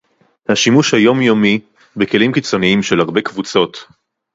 השימוש היומיומי בכלים קיצוניים של הרבה קבוצות